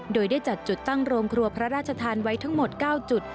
โดยได้จัดจุดตั้งโรงครัวพระราชทานไว้ทั้งหมด๙จุด